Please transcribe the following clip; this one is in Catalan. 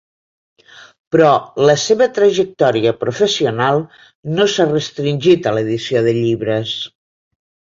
Però la seva trajectòria professional no s'ha restringit a l'edició de llibres.